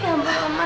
jangan lupa oma